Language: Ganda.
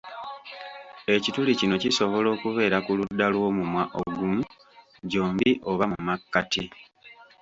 Ekituli kino kisobola okubeera ku ludda lw'omumwa ogumu, gyombi oba mu makkati